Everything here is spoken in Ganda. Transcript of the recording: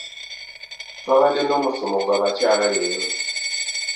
twabadde n'omusomo gw'abakyala leero